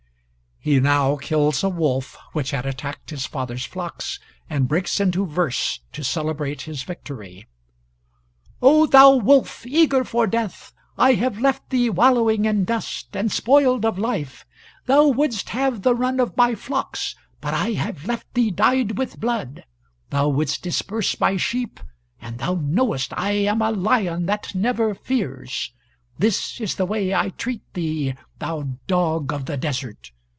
[He now kills a wolf which had attacked his father's flocks, and breaks into verse to celebrate his victory: ] _O thou wolf, eager for death, I have left thee wallowing in dust, and spoiled of life; thou wouldst have the run of my flocks, but I have left thee dyed with blood; thou wouldst disperse my sheep, and thou knowest I am a lion that never fears. This is the way I treat thee, thou dog of the desert.